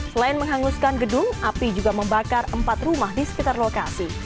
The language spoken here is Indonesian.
selain menghanguskan gedung api juga membakar empat rumah di sekitar lokasi